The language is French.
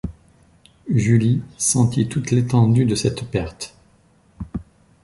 Julie sentit toute l’étendue de cette perte.